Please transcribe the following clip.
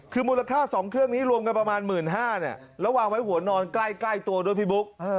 คือมูลค่า๒เครื่องนี้รวมกันประมาณ๑๕๐๐บาทแล้ววางไว้หัวนอนใกล้ตัวด้วยพี่บุ๊ค